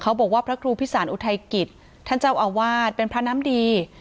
บอกว่าพระครูพิสารอุทัยกิจท่านเจ้าอาวาสเป็นพระน้ำดี